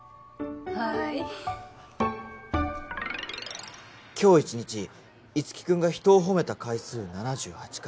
はい。今日一日いつき君が人を褒めた回数７８回。